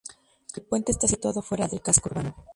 El puente está situado fuera del casco urbano.